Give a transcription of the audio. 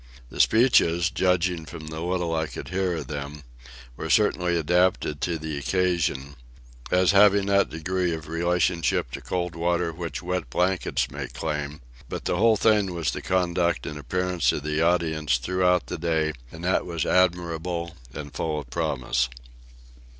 The speeches, judging from the little I could hear of them, were certainly adapted to the occasion, as having that degree of relationship to cold water which wet blankets may claim: but the main thing was the conduct and appearance of the audience throughout the day; and that was admirable and full of promise.